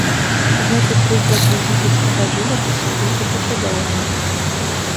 Гэты прыклад егіпецкага жывапісу лічыцца шэдэўрам.